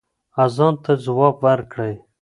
اذان ته ځواب ورکړئ.